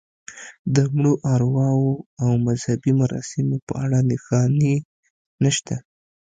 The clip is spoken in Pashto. د مړو ارواوو او مذهبي مراسمو په اړه نښانې نشته.